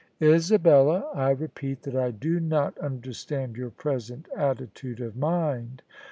Isabella, I repeat that I do not understand your present attitude of mind."